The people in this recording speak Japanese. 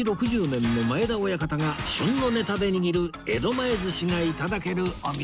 ６０年の前田親方が旬のネタで握る江戸前寿司が頂けるお店